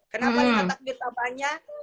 kenapa lima takbir tak banyak